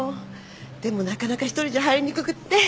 でもなかなか一人じゃ入りにくくって。